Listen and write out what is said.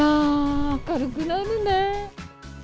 明るくなるね。